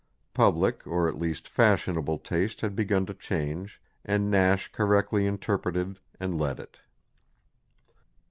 Public or at least fashionable taste had begun to change, and Nash correctly interpreted and led it.